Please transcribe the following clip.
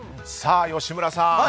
さあ、吉村さん